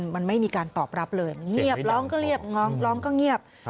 มันไม่มีการตอบรับเลยเงียบร้องก็เรียบง้อร้องก็เงียบ